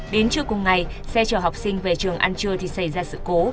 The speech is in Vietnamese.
đến trưa cùng ngày xe chở học sinh về trường ăn trưa thì xảy ra sự cố